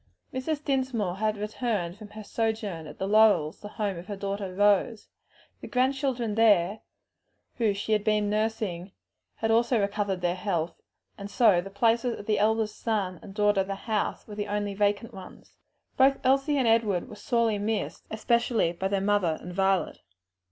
Mrs. Dinsmore had returned from her sojourn at the Laurels, the home of her daughter Rose; the grandchildren there, whom she had been nursing, having also recovered their health; and so the places of the eldest son and daughter of the house were the only vacant ones. Both Elsie and Edward were sorely missed, especially by the mother and Violet.